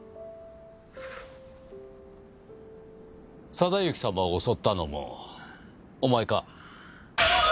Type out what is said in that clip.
定行様を襲ったのもお前か？